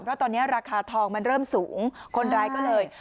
เพราะตอนนี้ราคาทองมันเริ่มสูงคนร้ายก็เลย